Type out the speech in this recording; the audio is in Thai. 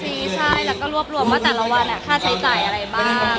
คือฝ่ายบัญชีรวบรวมว่าแต่ละวันค่าใช้จ่ายอะไรบ้าง